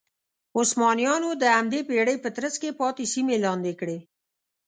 عثمانیانو د همدې پېړۍ په ترڅ کې پاتې سیمې لاندې کړې.